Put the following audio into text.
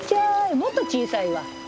もっと小さいわ。